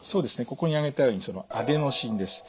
ここに挙げたようにアデノシンです。